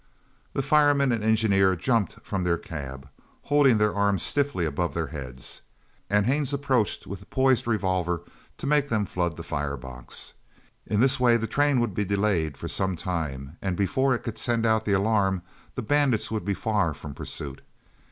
The fireman and engineer jumped from their cab, holding their arms stiffly above their heads; and Haines approached with poised revolver to make them flood the fire box. In this way the train would be delayed for some time and before it could send out the alarm the bandits would be far from pursuit.